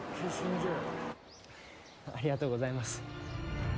ありがとうございます。